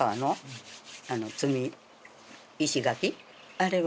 あれは。